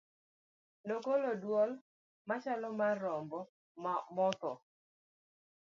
nogolo dwol machalo mar rombo ma tho